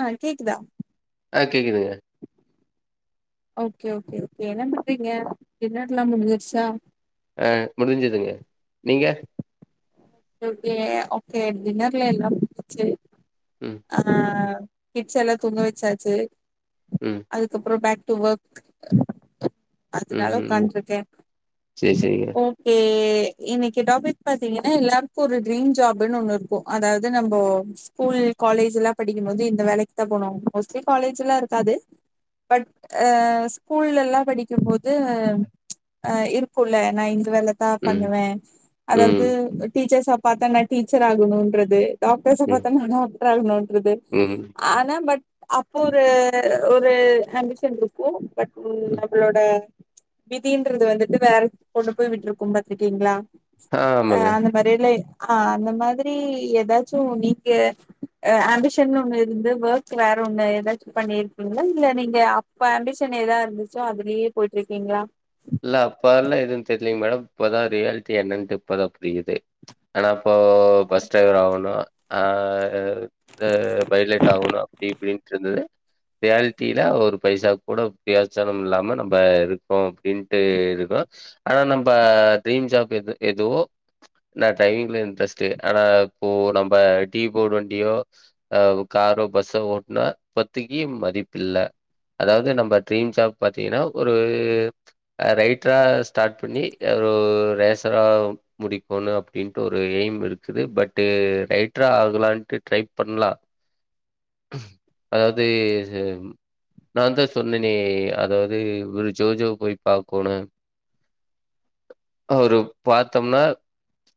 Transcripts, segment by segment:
ஆஹ் கேக்குதா ஆஹ் கேக்குதுங்க ஓகே ஓகே என்ன பண்றீங்க டின்னர்லா முடிஞ்சுருச்சா? அஹ் முடிஞ்சதுங்க நீங்க? கே ஓகே டின்னர்லா எல்லாம் முடிஞ்ச்சு ம் ஆஹ் கிட்ஸ் எல்லாம் தூங்க வெச்சாச்சு ம் அதுக்கப்புறம் பே டு‌ வொர்க் ம் அதனால ம் உக்காந்த்ட்டிருக்கேன் சேரி சேரிங்க ஓகே இன்னைக்கு டாப்பிக் பாத்தீங்கன்னா [unintelligible] க்கு ட்ரீம் ஜாப்ன்னு ஒண்ணு இருக்கு. அதாவது நம்போ ஸ்கூல் காலேஜ்ல்லா படிக்கும்போது இந்த வேலைக்குதா போனு மோஸ்ட்லி காலேஜெல்லா இருக்காது. பட் ஸ்கூல்ல எல்லா படிக்கும்போது ப்ச் இருக்குல்ல நா இந்த வேலதான் ம் பண்ணுவேன் அதாவது ம் டீச்சர்ஸ பாத்தா நான் டீச்சர் ஆகணும்ன்றது டாக்டர்ஸ ம் பாத்தா நானும் அப் [unintelligible] றது. ம் ஆனா பட் அப்ப ஒரு ஒரு ஆம்பிஷன் இருக்கு பட் ம் நம்மளோட விதின்றது வந்துட்டு வேற கொண்டு போய் விட்டிருக்கும் பாத்திட்டீங்ளா ஆ ஆமாங்க ஆஹ் அந்த மாதிரி ஏதாச்சும் நீங்க ஆம்பிஷன் ஒண்ணு இருந்து ஒர்க் வேற ஒண்ணு ஏதாச்சும் பண்ணிருக்கீங்களா இல்ல நீங்க அப்ப ஆம்பிஷன் ஏதா இருந்துச்சோ அதுலயே போயிட்டு இருக்கீங்களா? இல்ல அப்பல்லா எது தெரியலீங்க மேடம் இப்பதா ரியாலிட்டி என்னட்டு இப்பதா புரியுது ப்ச் ஆனா இப்போ பஸ் டிரைவர் ஆகணும் ஆஹ் ஹ பைலைட் ஆகணும் அப்படி இப்படின்ட்டு இருந்தது. ரியாலிட்டில ஒரு பைசாக்கு கூட ப்ரயோசனம் இல்லாம நம்ப இருக்கோம் அப்படின் இருக்க ஆனா நம்ம ட்ரீம் ஜாப் எது எதுவோ நா ட்ரரைவிங்ல இன்ட்ரெஸ்ட் ஆனா இப்போ நம்ம டீ போர்டு வண்டியோஹ் காரோ பஸ்ஸோ ஓட்டுனா பத்துக்கி மதிப் இல்ல அதாவது நம்ம ட்ரீம் ஜாப் பாத்தீங்கன்னா ஒரு ரைட்டரா ஸ்டார்ட் பண்ணி ஒரு ரேசரா முடிபோன் அப்டின்ட்டு ஒரு எய்ம் இருக்குது பட்டு் ரைட்டரா ஆகலான்ட்டு ட்ரை பண்லாம். அதாவது நான் தான் சொன்னேனே அதாவது ஒரு ஜோ ஜோ போய் பாக்கோனும். அவரு பாத்தம்னா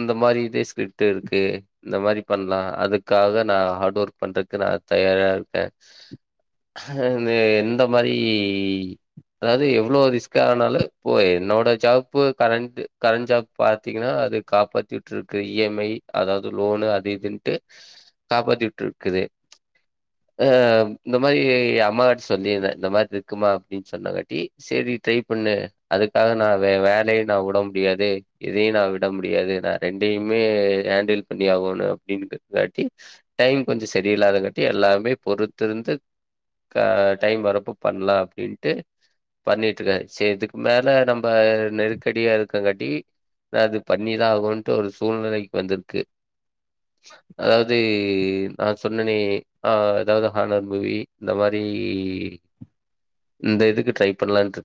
இந்த மாதிரி இதே ஸ்கிரிப்ட் இருக்கு இந்த மாரி பண்ணலா அதுக்காக நான் ஹார்ட் ஒர்க் பண்றக்கு நா தயாரா இருக்க. எந்த மாரி அதாவது எவ்ளோ ரிஸ்க் அதனால இப்ப என்னோட ஜாப் கரண்ட் கரண்ட் ஜாப் பாத்தீங்கன்னா அது காப்பாத்திட்டுருக்குது. இ எம் ஐ அதாவது லோனு அது இதுன்ட்டு காப்பாத்திட்டு இருக்குது. ஹ இந்த மாதிரி அம்மா‌ட்ட சொல்லியிருந்தேன் இந்த மாதிரி இருக்குமா அப்படின்னு சொன்னாங்காட்டி சரி ட்ரை பண்ணு அதுக்காக நான் வே வேலையும் நான் வுட முடியாது இதையும் நான் விட முடியாது நான் ரெண்டையுமே ஹேண்டில் பண்ணி ஆகோணும் அப்டிங்ககாட்டி டைம் கொஞ்ச சரியில்ல்லாதங்காட்டி எல்லாமே பொறுத்திருந்து டைம் வரப்ப பண்லாம் அப்டின்ட்டு பண்ணிட் தூக்கய்ஸ் இதுக்கு மேல நம்ப நெருக்கடியா இருக்கங்காட்டி ந அது பண்ணிதான் ஆகனுன்ட்டு ஒரு சூழ்நிலைக்கு வந்திருக்கு அதாவது நான் சொன்னனே அதாவது ஹாரர் மூவி இந்த மாதிரி இந்த இதுக்கு டரை பண்லான்ட்டு ஏங்க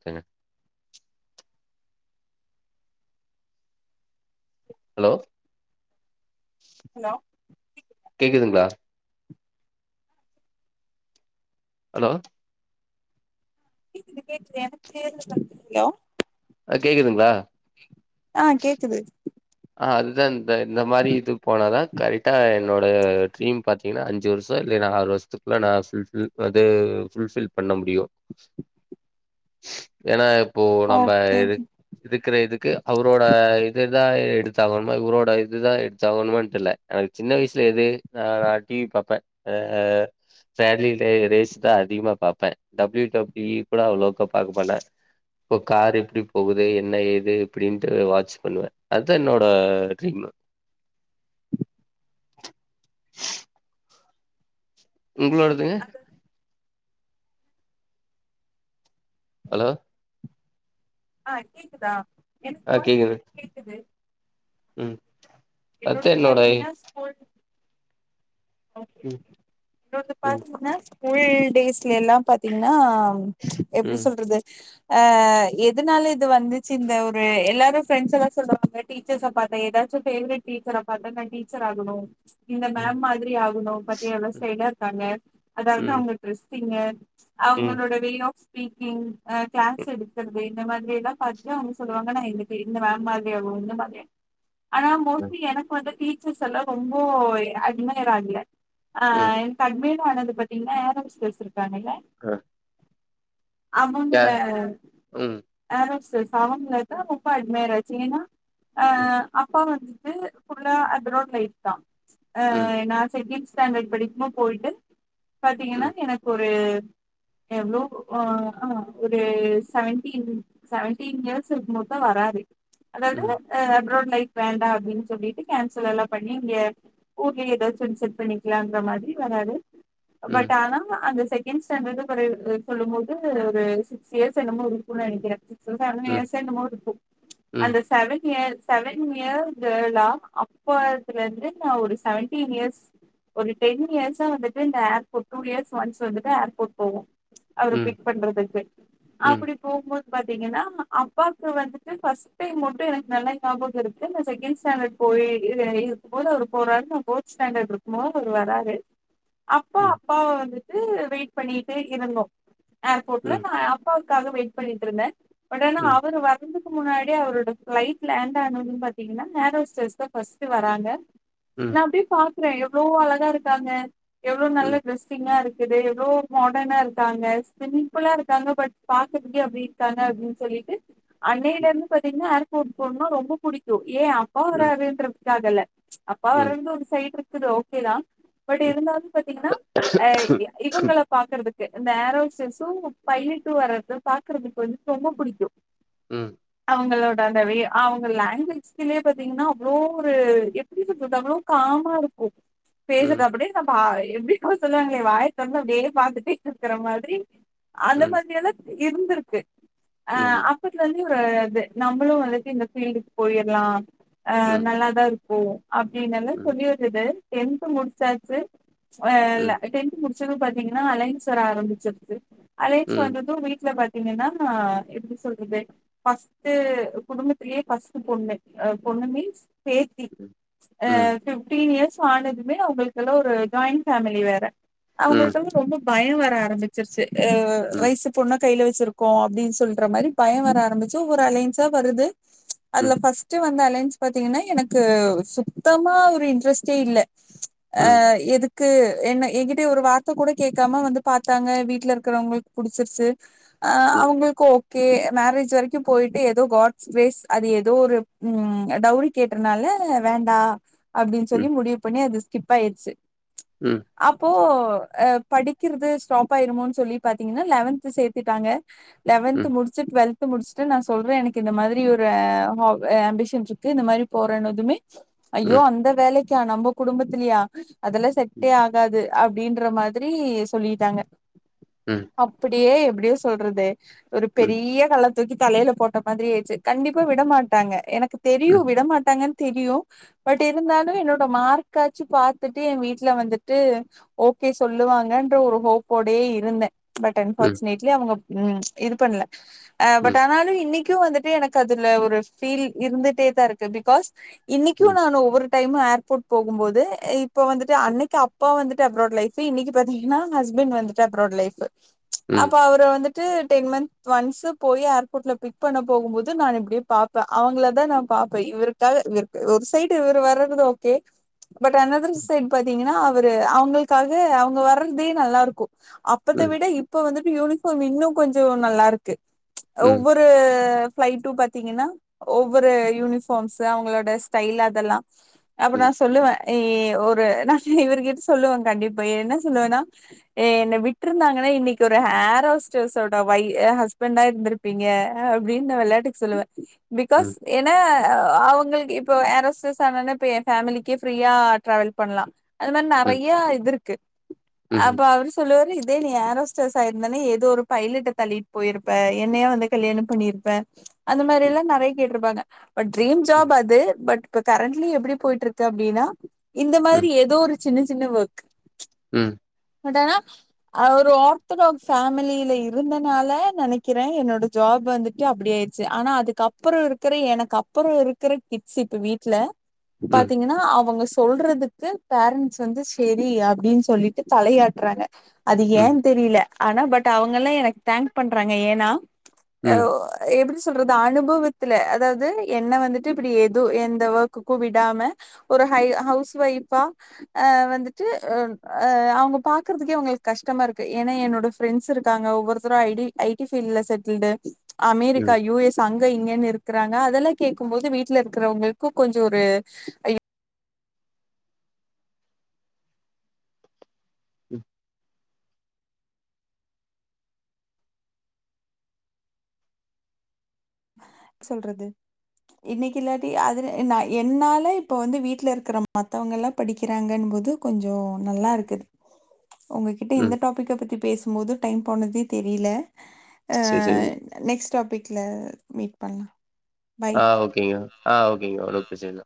ஹலோ ஹலோ கேக்குதுங்களா ஹலோ கேக்குது கேக்குது எனக்கு கிளியறா கேக்குது ஹலோ ஆ கேக்குதுங்களா ஆஹ் கேக்குது ஆஹ் அதுதான் இந்த இந்த மாதிரி இது போனதான் கரெக்டா என்னோட ட்ரீம் பாத்தீங்கன்னா அஞ்சு அஞ்ச வருஷம் இல்லைனா ஆறு வருஷத்துக்குள்ள நா அது ஃபுல் பில் பண்ண முடியும் ஏனா இப்போ நம்ம ஓகே இது ஓகே இதுக் இருக்கிற இதுக்கு அவரோட இது தான் சாதாரணமா இவரோட இதுதான் எடுத்தாகணுமான் தெர்ல எனக்கு சின்ன வயசுல எது நான் டிவி பாப்பன் [unintelligible] அதிகமா பாப்பேன் double U double U E கூட அவ்ளோக பாக்க மாட்டேன் இப்ப கார் எப்டி போகுது என்ன ஏது இப்டின்ட்டு வாச் பண்ணுவே என்னோட ட்ரீம் உங்ளோடது ஹலோ ஆஹ் கேக்குதா எனக்கு வாய்ஸ் கேக்குது உம் என்னோடது பாத்தீங்கன்னா ஸ்போட் ஓகே ம் என்னோடது ம் பாத்தீங்கன்னா ஸ்கூல் டேஸ்ல எல்லாம் பாத்தீங்கன்னா எப்படி ம் சொல்றது ஆஹ் எதுனால இது வந்துச்சு இந்த ஒரு எல்லாரும் ஃப்ரெண்ட்ஸ் எல்லாம் சொல்வாங்க டீச்சர்ஸ பாத்தா ஏதாச்சும் பேவரட் டீச்சர பாத்தா நான் டீச்சர் ஆகணு இந்த ம் மேம் மாறி மாரி ஆகணும் பத்தியா எவ்ளோ ஸ்டைலா இருக்காங்க அதனால தான் ம் அவங்க டிரஸ் ங்க ம் ம் அவங்களோட வே யாஃப் ஸ்பீக்கிங் நா ஃக்ளாஸ் எடுக்கறதே இந்த மாதிரி எல்லா பாத்துட்டு அவுங்க சொல்லுவாங்க நா [unintelligible] இந்த மேம் மாதிரி ஆகுனு இந்த மாதிரியு ஆனா மோஸ்ட்லி எனக்கு வந்து டீச் ஃபுருட்ஸ் எல்லா ரொம்போய் அதிகமாய் ஏறாதுல்ல ஆ ம். ம் எ தமிழ் சோ ஆனா அது பாத்தீங்கன்னா ஃஏரோஸ்டஸ் இருக்காங்கல்ல அ அவுங்க ம் ஏரோஸ் செரி பாவம் நேத்தா முப்பா அட்மேராய்ச்சு ஏனா ஆ ம் அப்பா வந் இது ஃபுல்லா அந்த ரோட் லைட்தா ஆ ம் எ நா செகண்ட் ஸ்டாண்டர்ட் படிக்குமோ போயிட்டு பாத்தீங்கனா ம் எனக்கு ஒரு எவ்ளோ ஆ ஆஹ் ஒரு சவன்டீன் சவன்டீன் இயர்ஸ் இருக்கும்போதுதா வராரு அதாவது ம் ஆ ஃப்ரோன் லைட் வேண்டா அப்டின்னு சொல்லிட்டு கேன்சல் எல்லா பண்ணி இங்க ஓகே எதாச்சு டுன் செட் பண்ணிக்லா அங்க மாதிரி வராது பட் ம் ஆனா அந்த செ செகண்ட் ஸ்டாண்டர்னு கொண்டுபோய் அ சொல்லும் போது ஒரு சிக்ஸ் இயர்ஸ் என்னமோ இருக்குனு நெனக்கிறே சோ செவன் ம் இயர்ஸா என்னமோ இருக்கு ம் அந்த செவன் இயர்ஸ் செவன் இயர்ஸ் ஜொல்லலா அப்பத்துல இருந்து நா ஒரு செவன்டீன் இயர்ஸ் ஒரு டென் இயர்ஸா வந்துட்டு இந்த ஏர்போர்ட் டூ இயர்ஸ் ஒன்ஸ் வந்துட்டு ஏர்போர்ட் போவோ அவர ம் ம் பிக் பண்றதுக்கு ம் ம் அப்டி போகும்போது பாத்தீங்கனா அப்பாக்கு வந்துட்டு ஃபஸ்ட் டைம் மட்டு எனக்கு நல்லா ஞாபக இருக்கு நா செகண்ட் ஸாண்டர்ட் போயி இதுல இருக்கும் போது அவரு போறாரு நா போச்சு ஸ்டாண்டர்ட் இருக்குபோ அவரு வராரு அப்போ அப்பாவ வந்துட ட்டு வெயிட் பண்ணிட்டு இருந்தோ ஏர்போர்ட்ல ம் நா அப்பாவ் க்காக வெயிட் பண்ணிட்டு இருந்தே பட் ஆனா ம் அவரு வரந்து க்கு முன்னாடி அவரோட ஃப்ளைட் லேண்ட் ஆனதும் பாத்தீங்கன்னா ஏரோஸ்டஸ்தா ஃபஸ்ட்டு வராங்க ம் ம் நா அப்டியே பாத் க்றே எவ்ளோ அழகா இருக்காங்க எவ்ளோ நல்ல ம் டிரெஸிங்கா இருக் குது எவ்ளோ மாடனா இருக்காங்க சிம்ப்புலா இருக்காங்க பட் பாக்கற்க்கே அப்டி இருக்காங்க அப்டின் சொல்ட்டு அன்னைல இருந்து பாத்தீங்னா டூர் போணுனா ரொம்ப புடிக்கு ஏ அப்பாவராருன்ற சாகல்ல அப்பா ம் ம் ம் ம் ம் வரந்து ஒரு சைடுருக் குது ஓகேதா பட் இருந்தாலூ பாத்தீங்கனா அ எ இவங்கள பாக்குறதுக் கு இந்த ஏர் ஹோஸ்ட்ரஸ்ஸூ பைலட்டு வர்றத பாக்குறதுக்கு வந்து ரொம்ப புடிக்கூ ம் அவங்களோட அந்த வே ஆ அவங்க லேங்குவேஜ்திலே பாத்தீங்கன்னா அவ்ளோ ஒரு எப்டி [unintelligible] அவ்ளோ காமா இருக் ஒ பேசுறது ம் ம் அப்டியே நம்ப ஆ எ எப்டி கூ சொல்வாங்களே வாய தெறந்தப்டியே பாத்துட்டே இருக்கிற மாதிரி அந்த மாதிரியல்லாத் இருந்திருக்கு ஆ அப்பத்துலந் து ஒரு இது நம்பளூ வந்துட்டு இந்த ஃபீல்டுக்கு போயிர்லா ஆ ம் நல்லாதாருக் போ அப்டின்னால கொஞ்சோத் து டென்த்து முடிச்சாச்சு ஆ ஆ இல்ல டென்த் முடிச் படிச்சது பாத்தீங்கனா அலைன்ஸ் வர ஆரம்பிச்சிருது அலைன்ஸ் வந்தது வீட்ல பத் எனன்னா நா எப்டி சொல்றது பர்ஸ்ட்டு குடும்பத்திலயே பர்ஸ்ட்டு பொண்ணு அ பொண்ணு மீன்ஸ் பேத்தி அஹ் டுப் தீ இயர்ஸ் ஆனதுமே நா உங்களுக்கலா ஒரு ஜாயிண்ட் ஃபேமிலி வேற ம் ம் அவுங்கெல்லா ரொம்பப் பய வர ஆரம்பிச்சிருச்சு அ ம் ரைசு பொண்ண கையில வச்சிருக்கோ அப்டின் சொல்ற மாரி பய வர ஆரம்பிச்சு ஒரு அலைன்ஸா வருது ம் அதுல ஃபஸ்ட் வந் த அலையன்ஸ் பாத்தீங்கன்னா எனக்கு சுத்தமா ஒரு இன் ட்ரஸ்டே இல்ல ம். அஹ் எதுக் கு என்ன எகிட்ட ஒரு வார்த்த கூட கேக்காம வந்து பாத்தாங்க வீட்ல இருக்குறவங்களுக்கு புடிச்சிருச்சு அஹ் ம். அவங்களுக்கு ஓ கே மேரேஜ் வரைக்கு போயிட்டு ஏதோ காட்ஸ் கிரேஸ் அது ஏதோ ஒரு உம் டவுரி கேட்டத்னால வேண்டா அப் சொல்லி ம். முடிவு பண்ணி அதுச் ஸ்கிப்பாயிர்ச்சு ம். அப்போ ஒ ஆ படிக்கிறது ஸ்டாப் ஆயிருமோன் சொல்லி பாத்தீங்கன்னா லெவன்த் சேத்துட்டாங்க லெவெந்த் ம். முடிச்சு ட்வெல் து முடிச்சுட்டு நா சொல்றே எனக்கு இந்த மாதிரி ஒரு ஆ ஹொப் அம்பிஷன்ருக்கு இந்த மாரி போறேன்னதுமே ம். ஐயோ ம். அந்த வேலைக் க்கா நம்ப குடும்பத்துலயா அதெல்லா செட்டே ஆகாது அப்டின்ற மாதிரி சொல்லிட்டாங்க ம். அப்டியே அப்டியு சொல்றது ஒரு ம். பெரிய கல்லத் தூக்கி தலைல போட்ட மாத்ரியாச்சு கண்டிப்பா விட மாட்டாங்க எனக் கு தெரியு ம். விட மாட்டாங்கன் தெரியு பட் இருந்தாலு என்னோ ட மார்க்காச்சு பாத்துட்டு எ வீட்ல வந்துட்டு ஓகே சொல்லுவாங்கன்ற ஒரு ஹோப்போடயே இருந்தே பட் அன்ஃபார்ச்சுனேட்லி அவங்க உம் இது பண்ல அ ம். பட் ஆனாலு இன்னிக் கு வந்துட்டு எனக்கு அதுல ஒரு ஃபீல் இருந்துட்டே தாருக்கு பிகாஸ் இன்னிக்கு ம். நான் ஒவ்வொரு டைம் ஏர் போட் போகும்போது இப்ப வந்துட்டு அன்னைக்கு அப்பா வந்துட்டு அப்ரோட் லைஃபு இன்னிக்கு பாத்தீங்கன்னா ஹஸ்பண்ட் வந்துட்டு அப்ரோட் லைஃபு அப்ப ம். அவரு வந்துட் டு டென் மந்த் ஒன்ஸ் போய் ஏர்போட்ல பிக் பண்ண போகும் போது நான் இப்டியே பாப்பே அவங்கள தா நா பாப்பே இவருக்காக இவர்க்கு ஒரு சைடு இவரு வரது okay but another side பாத்தீங்கன்னா அவ் ஒரு அவங்களுக்காக அவங்க வர்றதே நல்லாருக்கு ம். அப்பத்த ம். விட இப்ப வந்துட் யூனிபார்ம் இன்னு கொஞ்சோ நல்லாருக்கு ம்ச் ம். ஒவ்வொரு பிளைட்டு பாத்தீங்கன்னா ஒவ்வொரு யூனிஃபார்ம்ஸ்ஸு அவங்களோட ஸ்டைல் அதெல்லா அப்ப நா சொல்லுவே எ ஒரு நா இவர்கிட்ட சொல்லுவே கண்டிப்பா என்ன சொல்லுவேன்னா என்ன விட்ருந்தாங்கன்னா இன்னைக்கு ஒரு ஏர்ஹோஸ்டஸ் ஒட வை ஹஸ்பண்டா இருந்திருப்பீங்க அப்டின்னு நா வெளையாட்டுக்கு சொல்லுவே பிகாஸ் ம். ஏன்னா ஆ அவங்களுக்கு இப்போ ஏர் ஹோஸ்டஸ் ஆன பே [unintelligible] ஃபேமிலிக்கே ஃப்ரீயா டிராவல் பண்ணலா அது மாரி ம். நெறையா இது இருக் க ம். ம். அப்ப அவரு சொல்லுவாரு இத் அதே நீ ஏரோஸ்டஸ் ஆயிருந்தானே ஏதோ ஒரு பைலட்ட தள்ளிட் போயிருப்ப என்னையா வந்து கல்யாணம் பண்ணிருப்ப அந்த மாதிரில்லா நெறைய கேட்ருப்பாங்க பட் ட்ரீம் ஜாப் அது பட் க்க கரண்ட்லி எப்டிப் போயிட்ருக்கு அப்டின்னா இந்த ம். ம். மாதிரி ஏதோ ஒரு சின்ன சின்ன ஒர்க் ம். பட் ஆனா ஆ ஒரு ஆர்த்தடாக்ஸ் ஃபேமிலியில இருந்தனால நெனைக்கிறே என்னோட ஜாப் வந்துட்டு அப்டி ஆயிடுச்சு ஆனா அதுக்குப்பறோ இருக்கற எனக்கு அப்றோ இருக்கற கிட்ஸ் இப்ப வீட்டுல பாத்தீங்கன்னா அவங்க ஸ் சொல்றதுக்கு பேரண்டட்ஸ் வந்து செரி அப்டின்னு சொல்லிட்டு தலையாட்றாங்க அது ம். ஏன் தெரியில ஆனா பட் அவங்கல்லா எனக்கு தேங்க் பண்றாங்க ஏன்னா அ ஒ எப்டி [unintelligible] சொல்றது அனுபவத்துல அதாவது என்ன வந்துட்டு இப்படி எது எந்த ஒர்க்குக்கு கூ விடாம ஒரு ஹை ஹவுஸ் வைஃப் ஆ வந்துட்டு [unintelligible] ஆ அவங்க பாக்குறதுக்கே அவங்களுக்கு கஷ்டமா இருக்கு ஏன்னா என்னோட ஃபிரண்ட்ஸ் இருக்காங்க ஒவ்வொருத்தரு ஐ டி ஐ டி பீல்ட்ல செட்டில்டு ம். அமெரிக்கா ம். யு எஸ் அங் இதோ இங்கன்னு இருக்கிறாங்க அதெல்லா கேக்கும்போது வீட்ல இருக்கிறவங்கக்கு கொஞ்சோ தூரு ஐ [unintelligible] ம் சொல்றது இன்னைக்கு இல்லாட்டி அது ந என்னால இப்ப வந்து வீட்டுல இருக்கற மத்தவங்க எல்லா படிக்கிறாங்கன் போது கொஞ்சோ நல்லா இருக்குது உங்ககிட்ட இந்த ம். டாபிக் பத்திப் பேசும்போது டைம் போனதே தெரியில சரிங்க. அஹ் நெக்ஸ்ட் டாப் ப்பிக்கல மீட் பண்ணாம் ஆஹ் ஓகேங்க ஆஹ் ஓகேங்க உப்பேச்சலா